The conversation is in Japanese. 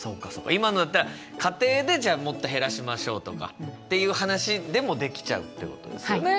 今のだったら「家庭でもっと減らしましょう」とかっていう話でもできちゃうってことですよね。